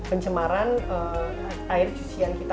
pencemaran air cucian kita